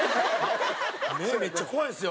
目めっちゃ怖いんすよ。